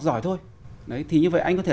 giỏi thôi thì như vậy anh có thể